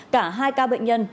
cả hai ca bệnh nhân